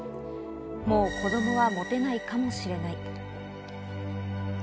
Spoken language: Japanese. もう子供は持てないかもしれない。